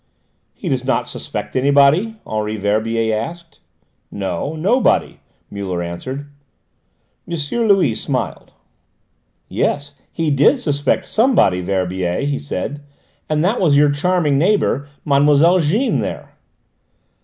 "He does not suspect anybody?" Henri Verbier asked. "No: nobody," Muller answered. M. Louis smiled. "Yes, he did suspect somebody, Verbier," he said, "and that was your charming neighbour Mlle. Jeanne there."